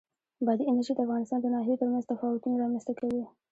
بادي انرژي د افغانستان د ناحیو ترمنځ تفاوتونه رامنځ ته کوي.